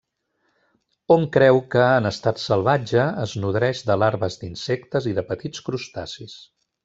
Hom creu que, en estat salvatge, es nodreix de larves d'insectes i de petits crustacis.